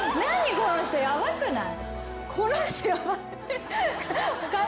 この人ヤバくない？